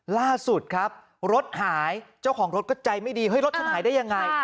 ล่าสุดครับรถหายเจ้าของรถก็ใจไม่ดีเฮ้รถฉันหายได้ยังไง